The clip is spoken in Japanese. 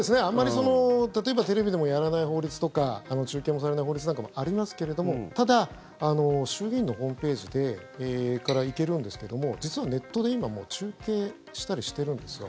例えばテレビでもやらない法律とか中継もされない法律なんかもありますけれどもただ、衆議院のホームページから行けるんですけれども実はネットで今、もう中継したりしてるんですよ。